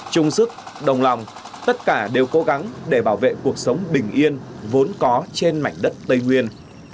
trung sức đồng lòng tất cả đều cố gắng để bảo vệ cuộc sống bình yên vốn có trên mảnh đất tây nguyên